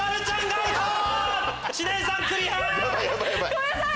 ごめんなさい！